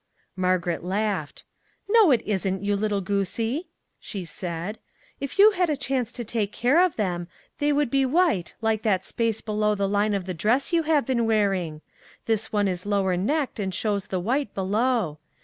Margaret laughed. " No, it isn't, you little goosie !" she said. " If you had a chance to take care of them, they would be white like that space below the line of the dress you have been wearing; this one is lower necked and shows the white below.